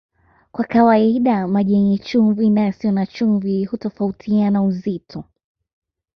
Kwa kawaida maji yenye chumvi na yasiyo na chumvi hutofautiana uzito